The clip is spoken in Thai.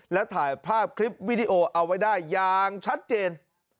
และถ่ายภาพคลิปวิดีโอเอาไว้ได้อย่างชัดเจน